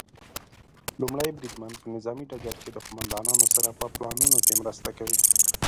لومړی بریدمن په نظامي ډګر کې د قوماندانانو سره په پلانونو کې مرسته کوي.